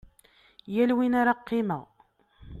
Yal win ara qqimeɣ.